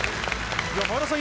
前田さん